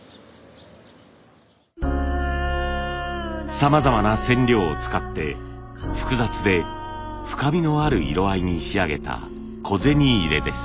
さまざまな染料を使って複雑で深みのある色合いに仕上げた小銭入れです。